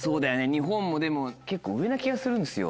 日本もでも結構上な気がするんですよ。